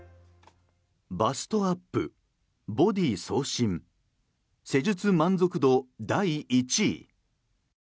バストアップ、ボディ痩身施術満足度第１位。